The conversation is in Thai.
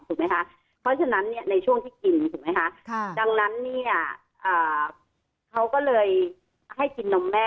เพราะฉะนั้นเนี่ยในช่วงที่กินถูกไหมคะดังนั้นเนี่ยเขาก็เลยให้กินนมแม่